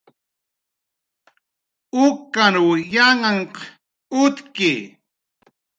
ukanw yanhanhq utki